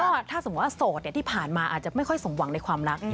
ก็ถ้าสมมุติว่าโสดที่ผ่านมาอาจจะไม่ค่อยสมหวังในความรัก